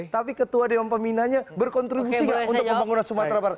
tapi ketua dewan pembinanya berkontribusi gak untuk pembangunan sumatera barat